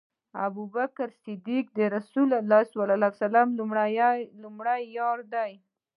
ابوبکر صديق د رسول الله صلی الله عليه وسلم لومړی یار دی